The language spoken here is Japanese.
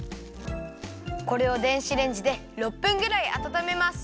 これを電子レンジで６分ぐらいあたためます。